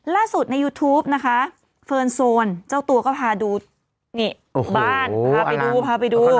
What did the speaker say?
ล่าสุดในยูทูปนะคะเฟิร์นโซนเจ้าตัวก็พาดูนี่บ้านพาไปดูพาไปดู